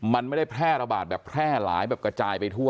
มันไม่ได้แพร่ระบาดแบบแพร่หลายแบบกระจายไปทั่ว